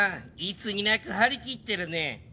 いつになく張り切ってるね。